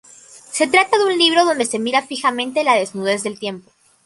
Se trata de un libro donde se mira fijamente la desnudez del tiempo.